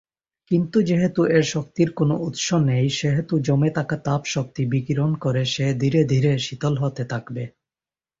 কিন্তু যেহেতু এর শক্তির কোন উৎস নেই সেহেতু জমে থাকা তাপ শক্তি বিকিরণ করে সে ধীরে ধীরে শীতল হতে থাকবে।